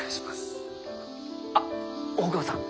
あっ大窪さん